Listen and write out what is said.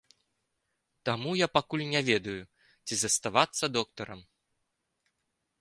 Таму я пакуль не ведаю, ці заставацца доктарам.